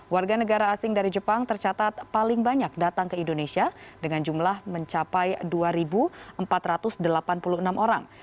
warga negara asing dari jepang tercatat paling banyak datang ke indonesia dengan jumlah mencapai dua empat ratus delapan puluh enam orang